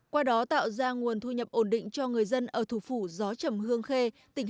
qua đó tạo ra nguồn thu nhập ổn định cho người dân ở thủ phủ gió trầm hương khê tỉnh hà tĩnh